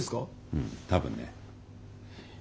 うん多分ね。